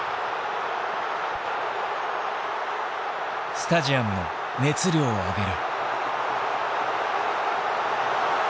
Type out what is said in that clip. スタジアムの熱量を上げる。